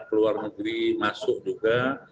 keluar negeri masuk juga